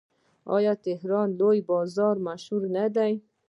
آیا د تهران لوی بازار مشهور نه دی؟